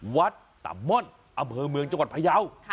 วัดตำม่อนอเมอเมืองจังหวัดพระเยา